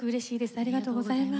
ありがとうございます。